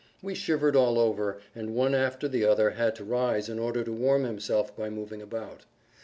We shivered all over, and one after the other had to rise in order to warm himself by moving about.